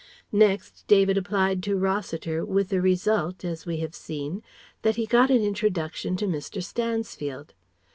Next David applied to Rossiter with the result as we have seen that he got an introduction to Mr. Stansfield.